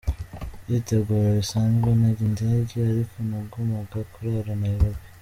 Nditegura bisanzwe ntega indege ariko nagomaga kurara Nairobi